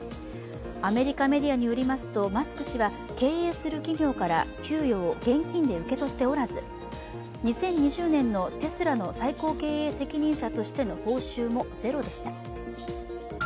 アメリカメディアによりますとマスク氏は経営する企業から給与を現金で受け取っておらず、２０２０年のテスラの最高経営責任者としての報酬もゼロでした。